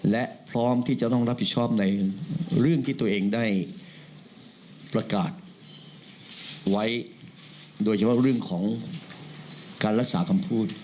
และพร้อมที่จะต้องรับผิดชอบในเรื่องที่ตัวเองได้ประกาศไว้โดยเฉพาะเรื่องของการรักษาคำพูด